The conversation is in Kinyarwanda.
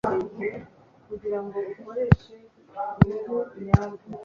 umwana w'imana yabihaga agaciro cyane kurusha kwicara ku meza yuzuyeho ibifite agaciro gakomeye